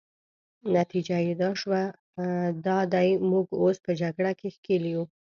نتیجه يې دا شوه، دا دی موږ اوس په جګړه کې ښکېل یو.